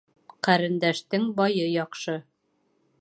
Ҡәрендәштең байы яҡшы